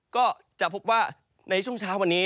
ก็จะพบว่าในช่วงเช้าวันนี้